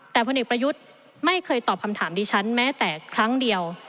แต่พลเอกประยุทธ์ไม่เคยตอบคำถามดิฉันแม้แต่ครั้งเดียว